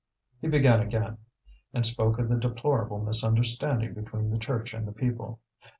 He began again, and spoke of the deplorable misunderstanding between the Church and the people.